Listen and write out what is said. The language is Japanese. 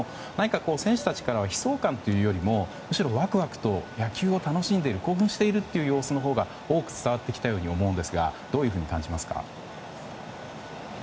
選手たちからは悲壮感というよりも、むしろワクワクと野球を楽しんでいる興奮している様子のほうが、多く伝わってきたように思うんですがどういうふうに感じますか？